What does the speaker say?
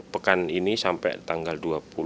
pekan ini sampai tanggal dua puluh